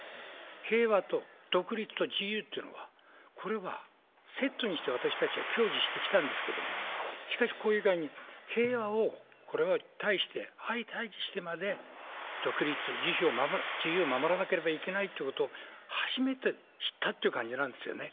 平和と独立と自由ってのは、これはセットにして私たちは享受してきたんですけれども、しかし、これ以外に、平和を、これに対して相対してまで独立、自由を守らなければいけないってことを初めて知ったという感じなんですよね。